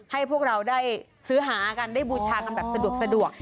ให้พวกเราได้ซื้อหากันได้บูชากันแบบสะดวก